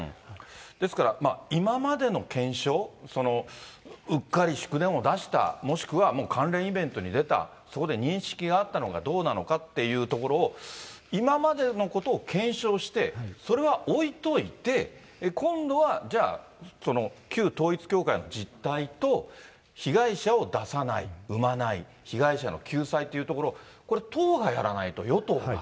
ですから、今までの検証、うっかり祝電を出した、もしくは関連イベントに出た、そこで認識があったのかどうなのかというところを、今までのことを検証して、それは置いといて、今度はじゃあ、旧統一教会の実態と、被害者を出さない、生まない、被害者の救済というところ、これ、党がやらないと、与党が。